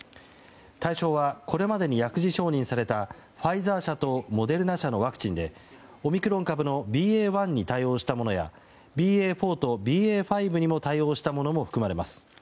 対象はこれまでに薬事承認されたファイザー社とモデルナ社のワクチンでオミクロン株のＢＡ．１に対応したものやＢＡ．４とＢＡ．５にも対応したものも含まれます。